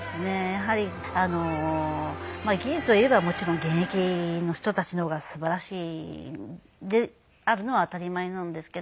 やはり技術をいえばもちろん現役の人たちの方がすばらしいのは当たり前なんですけど。